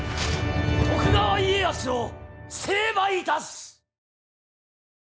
徳川家康を成敗いたす！